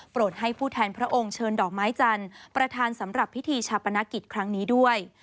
ให้ผู้แทนพระองค์เชิญดอกไม้จันทร์ประธานสำหรับพิธีชาปนกิจครั้งนี้ด้วย